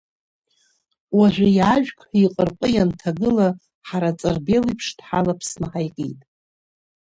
Уажәы иаажәг ҳәа иҟарҟы ианҭагыла, ҳара аҵарбел еиԥш дҳалаԥсны ҳаикит.